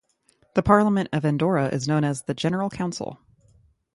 The Parliament of Andorra is known as the General Council.